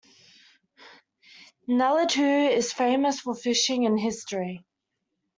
Nellaidhoo is famous for fishing in history.